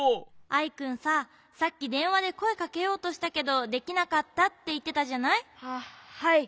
アイくんささっきでんわでこえかけようとしたけどできなかったっていってたじゃない？ははい。